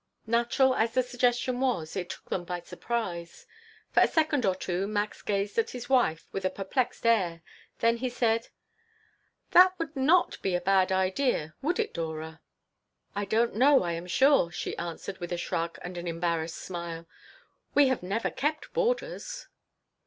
Natural as the suggestion was, it took them by surprise. For a second or two Max gazed at his wife with a perplexed air. Then he said: "That would not he a bad idea. Would it, Dora?" "I don't know, I am sure," she answered, with a shrug and an embarrassed smile. "We have never kept boarders."